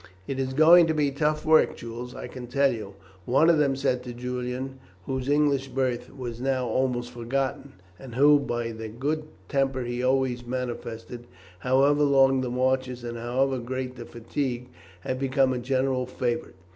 "It is going to be tough work, Jules, I can tell you," one of them said to Julian, whose English birth was now almost forgotten, and who, by the good temper he always manifested, however long the marches and however great the fatigues, had become a general favourite.